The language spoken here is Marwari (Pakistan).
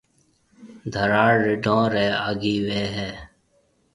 ڌراڙ رڍون ري آگھيَََ وي هيَ۔